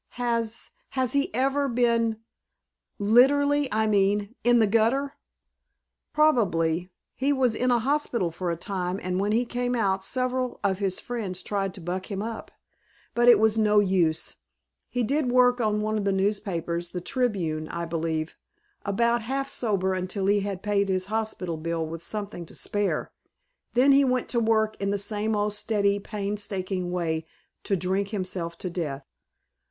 "Has has he ever been literally, I mean in the gutter?" "Probably. He was in a hospital for a time and when he came out several of his friends tried to buck him up. But it was no use. He did work on one of the newspapers the Tribune, I believe about half sober until he had paid his hospital bill with something to spare. Then he went to work in the same old steady painstaking way to drink himself to death."